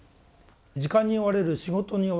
時間に追われる仕事に追われる。